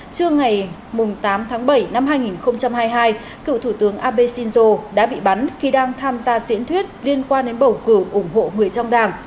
trưa ngày tám tháng bảy năm hai nghìn hai mươi hai cựu thủ tướng abe shinzo đã bị bắn khi đang tham gia diễn thuyết liên quan đến bầu cử ủng hộ người trong đảng